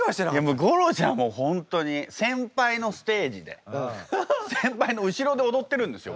もう吾郎ちゃんは本当に先輩のステージで先輩の後ろで踊ってるんですよ